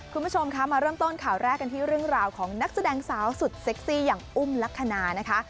คุณผู้ชมคะมาเริ่มต้นข่าวแรกกันที่เรื่องราวของนักแสดงสาวสุดเซ็กซี่อย่างอุ้มลักษณะนะคะ